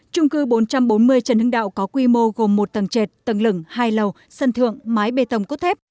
trung cư bốn trăm bốn mươi trần hưng đạo có quy mô gồm một tầng trệt tầng lửng hai lầu sân thượng mái bê tông cốt thép